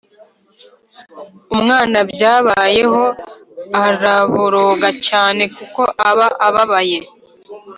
Umwana byabayeho araboroga cyane kuko aba ababaye